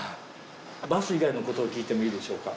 バス以外のことを聞いてもいいでしょうか？